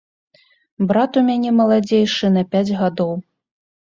Брат у мяне маладзейшы на пяць гадоў.